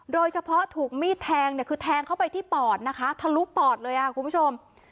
โดยเฉพาะถูกมีดแทงเนี่ยคือแทงเข้าไปที่ปอดนะคะทะลุปอดเลยค่ะคุณผู้ชม